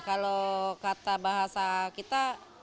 kalau kata bahasa kita